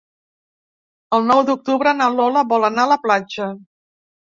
El nou d'octubre na Lola vol anar a la platja.